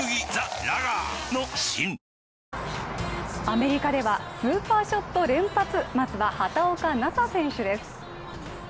アメリカではスーパーショット連発まずは畑岡奈紗選手です